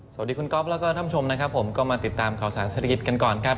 สวัสดีคุณก๊อฟแล้วก็ท่านชมนะครับผมก็มาติดตามข่าวสารเศรษฐกิจกันก่อนครับ